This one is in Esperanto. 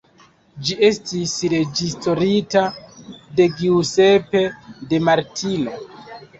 Ĝi estis reĝisorita de Giuseppe De Martino.